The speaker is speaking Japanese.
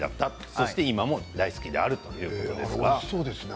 そして今も大好きであるおいしそうですね